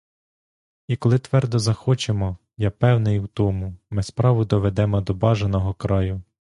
І коли твердо захочемо, я певний у тому, ми справу доведемо до бажаного краю.